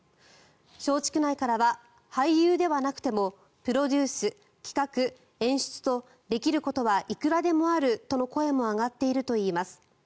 松竹内からは、俳優ではなくてもプロデュース、企画、演出とできることはいくらでもあるとの声も上がってるといいます。